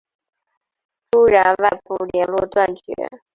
朱然外部连络断绝。